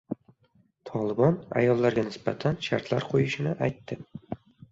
«Tolibon» ayollarga nisbatan shartlar qo‘yishini aytdi